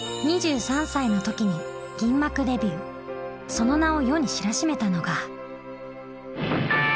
その名を世に知らしめたのが。